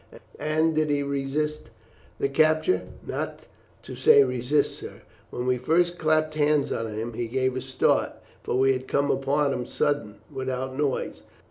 "And did he resist the capture?" "Not to say resist, sir. When we first clapped hands on him he gave a start, for we had come upon him sudden, without noise.